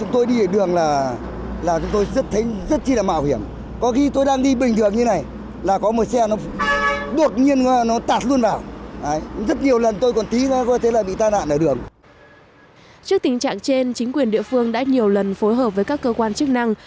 trước tình trạng trên chính quyền địa phương đã nhiều lần phối hợp với các cơ quan chức năng